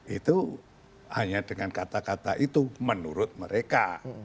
itu hanya dengan kata kata itu menurut mereka